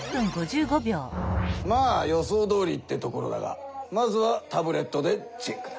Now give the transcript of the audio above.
まあ予想どおりってところだがまずはタブレットでチェックだ。